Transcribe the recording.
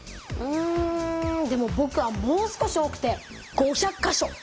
うんでもぼくはもう少し多くて５００か所！